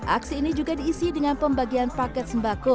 aksi ini juga diisi dengan pembagian paket sembako